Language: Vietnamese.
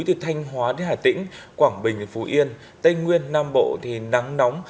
từ thanh hóa đến hải tĩnh quảng bình đến phú yên tây nguyên nam bộ thì nắng nóng